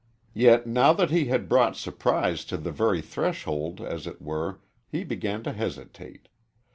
Yet now that he had brought surprise to the very threshold, as it were, he began to hesitate.